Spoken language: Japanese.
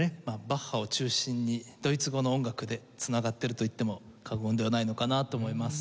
バッハを中心にドイツ語の音楽で繋がってると言っても過言ではないのかなと思います。